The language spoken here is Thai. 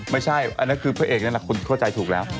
ไม่ใช่อันนั้นคือพระเอกนั้นคุณเข้าใจถูกแล้ว